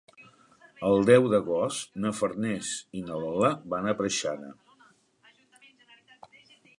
El deu d'agost na Farners i na Lola van a Preixana.